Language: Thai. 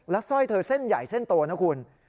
สร้อยเธอเส้นใหญ่เส้นโตนะคุณ